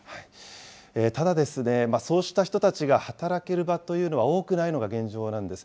ただ、そうした人たちが働ける場というのは多くないのが現状なんです。